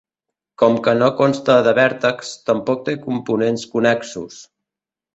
Com que no consta de vèrtexs, tampoc té components connexos.